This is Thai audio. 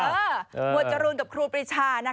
หมวดจรูกับครูปริชา